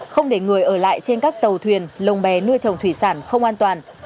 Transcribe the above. không để người ở lại trên các tàu thuyền lông bé nuôi trồng thủy sản không an toàn